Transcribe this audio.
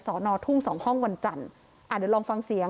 สอนอทุ่งสองห้องวันจันทร์อ่าเดี๋ยวลองฟังเสียง